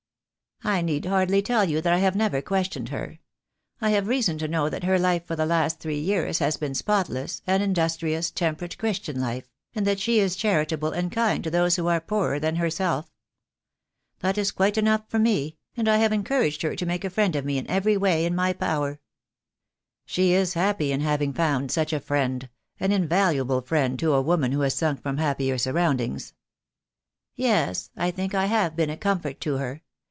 I need hardly tell you that I have never questioned her. I have reason to know that her life for the last three years has been spotless, an industrious, temperate, Christian life, and that she is charitable and kind to those who are poorer than herself. That is quite enough for me, and I have encouraged her to make a friend of me in every way in my power." "She is happy in having found such a friend, an in THE DAY WILL COME. 2jg valuable friend to a woman who has sunk from happier surroundings." "Yes, I think I have been a comfort to her.